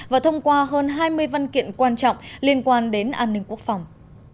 và thông qua hơn hai mươi văn kiện quan trọng liên quan đến an ninh quốc phòng